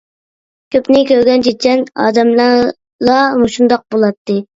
كۆپنى كۆرگەن، چېچەن ئادەملەرلا مۇشۇنداق بولاتتى.